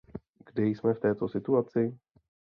Kde jsme v této situaci?